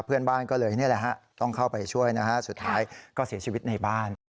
เพื่อนบ้านก็เลยนี่แหละฮะต้องเข้าไปช่วยนะฮะสุดท้ายก็เสียชีวิตในบ้าน